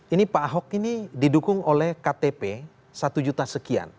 ini pak ahok ini didukung oleh ktp satu juta sekian